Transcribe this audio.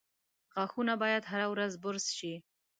• غاښونه باید هره ورځ برس شي.